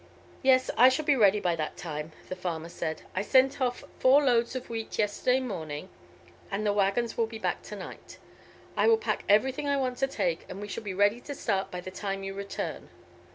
"Yes, I shall be ready by that time," the farmer said. "I sent off four loads of wheat yesterday morning, and the waggons will be back to night. I will pack everything I want to take, and we shall be ready to start by the time you return.